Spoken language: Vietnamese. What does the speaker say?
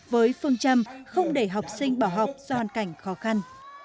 với phương châm không để học sinh bỏ học do hoàn cảnh khó khăn